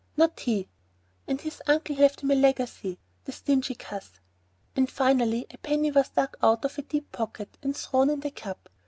"Not he!" "And his uncle left him a legacy! The stingy cuss!" And, finally, a penny was dug out of a deep pocket and thrown into the cup.